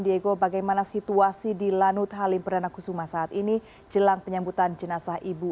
diego bagaimana situasi di lanut halim perdana kusuma saat ini jelang penyambutan jenazah ibu